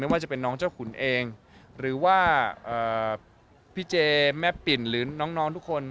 ว่าจะเป็นน้องเจ้าขุนเองหรือว่าพี่เจแม่ปิ่นหรือน้องทุกคน